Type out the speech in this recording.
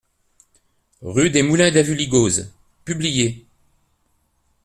Rue des Moulins d'Avulligoz, Publier